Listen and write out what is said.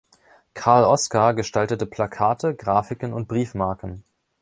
Karl Oskar gestaltete Plakate, Grafiken und Briefmarken.